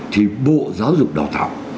thì bộ giáo dục đào tạo